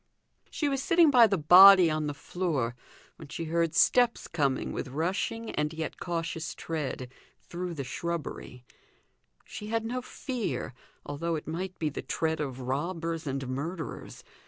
She was sitting by the body on the floor when she heard steps coming with rushing and yet cautious tread, through the shrubbery; she had no fear, although it might be the tread of robbers and murderers.